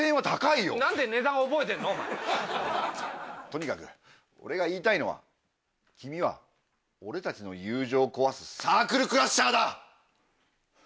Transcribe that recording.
とにかく俺が言いたいのは君は俺たちの友情を壊すサークルクラッシャーだ！